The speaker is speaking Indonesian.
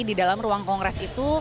di dalam ruang kongres itu